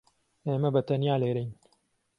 ئێمە بەتەنیا لێرەین.